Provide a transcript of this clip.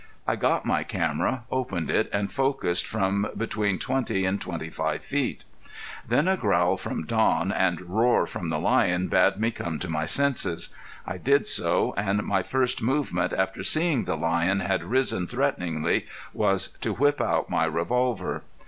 I got my camera, opened it, and focused from between twenty and twenty five feet. Then a growl from Don and roar from the lion bade me come to my senses. I did so and my first movement after seeing the lion had risen threateningly was to whip out my revolver.